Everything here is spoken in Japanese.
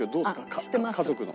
家族の。